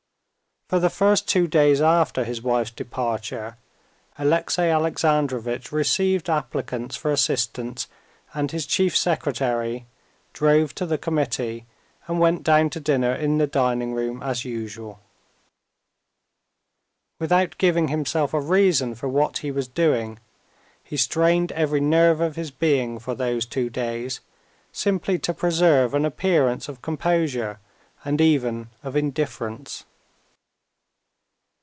For the first two days after his wife's departure Alexey Alexandrovitch received applicants for assistance and his chief secretary, drove to the committee, and went down to dinner in the dining room as usual. Without giving himself a reason for what he was doing, he strained every nerve of his being for those two days, simply to preserve an appearance of composure, and even of indifference.